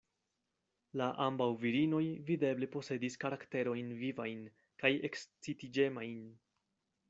La ambaŭ virinoj videble posedis karakterojn vivajn kaj ekscitiĝemajn.